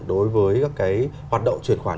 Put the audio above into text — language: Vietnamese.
đối với các cái hoạt động chuyển khoản